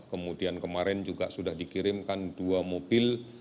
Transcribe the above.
kemudian kemarin juga sudah dikirimkan dua mobil